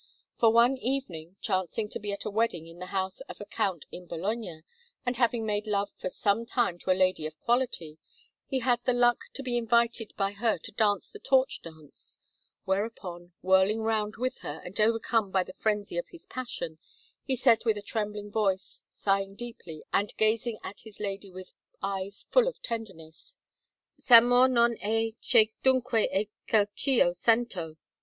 For one evening, chancing to be at a wedding in the house of a Count in Bologna, and having made love for some time to a lady of quality, he had the luck to be invited by her to dance the torch dance; whereupon, whirling round with her, and overcome by the frenzy of his passion, he said with a trembling voice, sighing deeply, and gazing at his lady with eyes full of tenderness: "S'amor non è, che dunque è quel ch' io sento?"